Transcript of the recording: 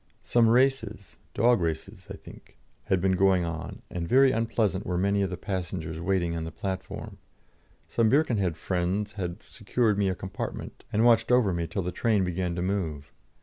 Some races dog races I think, had been going on, and very unpleasant were many of the passengers waiting on the platform. Some Birkenhead friends had secured me a compartment, and watched over me till the train began to move.